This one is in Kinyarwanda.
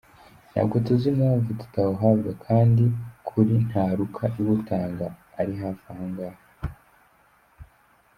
Ntabwo tuzi impamvu tutawuhabwa, kandi kuri Ntaruka iwutanga ari hafi ahangaha”.